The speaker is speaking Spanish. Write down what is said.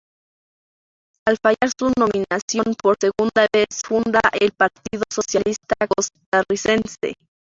Al fallar su nominación por segunda vez funda el Partido Socialista Costarricense.